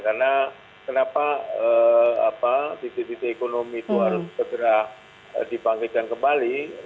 karena kenapa titik titik ekonomi itu harus segera dipanggilkan kembali